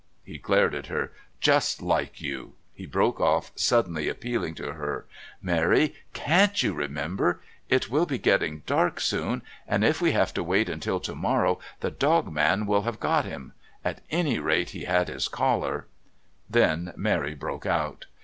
He glared at her. "Just like you." He broke off, suddenly appealing to her. "Mary, CAN'T you remember? It will be getting dark soon, and if we have to wait until to morrow the dog man will have got him. At any rate, he had his collar " Then Mary broke out.